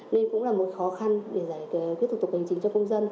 nên cũng là một khó khăn để giải quyết thủ tục hành trình cho công dân